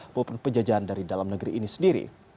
maupun penjajahan dari dalam negeri ini sendiri